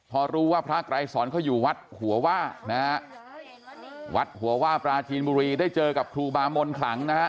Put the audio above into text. พอรู้ว่าพระไกรสอนเขาอยู่วัดหัวว่านะฮะวัดหัวว่าปลาจีนบุรีได้เจอกับครูบามนขลังนะฮะ